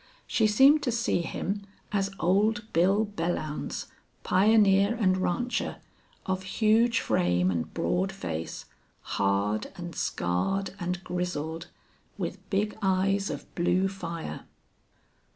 She seemed to see him as old Bill Belllounds, pioneer and rancher, of huge frame and broad face, hard and scarred and grizzled, with big eyes of blue fire.